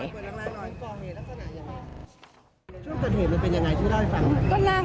ช่วงกันเห็นมันเป็นอย่างไรชื่อได้ไหมฟัง